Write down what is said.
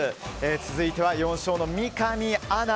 続いては４勝の三上アナ